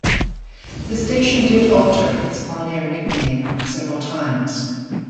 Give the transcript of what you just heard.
The station did alter its on-air nickname several times.